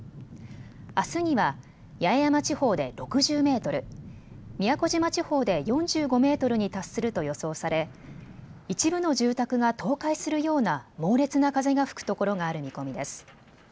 あすには八重山地方で６０メートル、宮古島地方で４５メートルに達すると予想され一部の住宅が倒壊するような猛烈な風が吹くところがある見込みです。